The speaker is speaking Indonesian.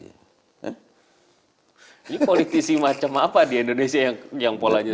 ini politisi macam apa di indonesia yang polanya